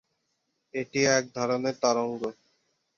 এটি এক ধরনের তরঙ্গ।